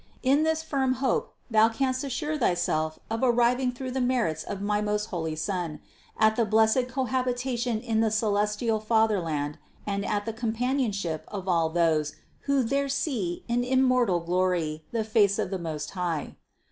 In this firm hope thou canst assure thyself of arriving through the merits of my most holy Son, at the blessed cohabitation in the celestial fatherland and at the com panionship of all those who there see in immortal glory the face of the Most High.